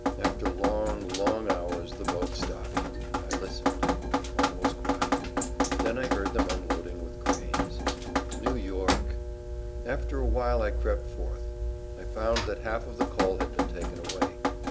After long, long hours the boat stopped. I listened. All was quiet. Then I heard them unloading with cranes. New York!—After a while I crept forth. I found that half of the coal had been taken away.